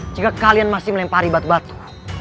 jika kalian masih melempari batu batu